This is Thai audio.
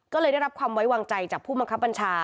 ก็เลยได้รับความไว้วางใจจากผู้บังคับบัญชา